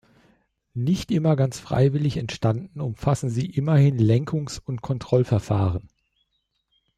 Nicht immer ganz freiwillig entstanden, umfassen sie immerhin Lenkungs- und Kontrollverfahren.